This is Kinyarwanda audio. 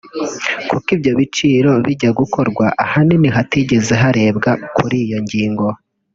kuko ibyo byiciro bijya gukorwa ahanini hatigeze harebwa kuri iyo ngingo